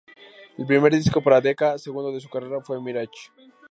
El primer disco para Decca, segundo de su carrera, fue "Mirage.